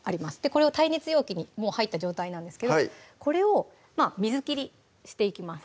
これを耐熱容器にもう入った状態なんですけどこれを水切りしていきます